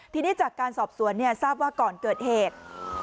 ทีนี้จากการสอบสวนทราบว่าก่อนเกิดเหตุ